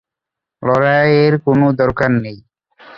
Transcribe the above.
লড়াইয়ের কোন দরকার নেই।